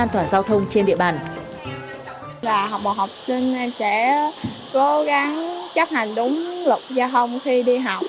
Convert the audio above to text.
học bộ học sinh sẽ cố gắng chấp hành đúng luật giao thông khi đi học